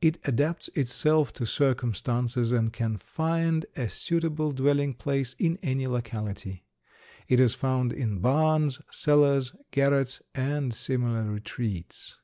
It adapts itself to circumstances, and can find a suitable dwelling place in any locality. It is found in barns, cellars, garrets, and similar retreats.